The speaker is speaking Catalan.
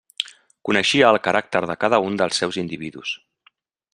Coneixia el caràcter de cada un dels seus individus.